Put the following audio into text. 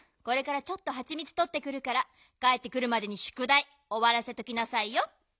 これからちょっとハチミツとってくるからかえってくるまでにしゅくだいおわらせておきなさいよ。